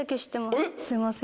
すいません。